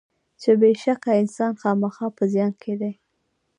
چې بېشکه انسان خامخا په زیان کې دی.